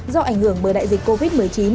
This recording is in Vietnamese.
do ảnh hưởng bởi đại dịch covid một mươi chín